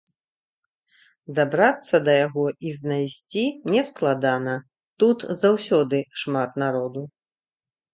Дабрацца да яго і знайсці не складана, тут заўсёды шмат народу.